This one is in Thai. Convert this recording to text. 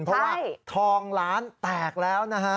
เพราะว่าทองล้านแตกแล้วนะฮะ